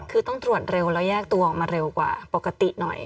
คือต้องตรวจเร็วแล้วแยกตัวออกมาเร็วกว่าปกติหน่อย